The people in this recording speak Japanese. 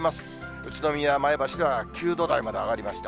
宇都宮、前橋では９度台まで上がりました。